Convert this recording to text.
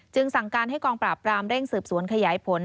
สั่งการให้กองปราบรามเร่งสืบสวนขยายผล